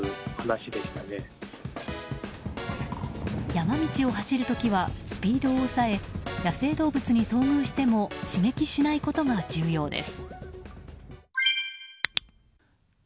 山道を走る時はスピードを抑え野生動物に遭遇しても刺激しないことが重要です。